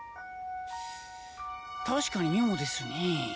確かに妙ですねぇ。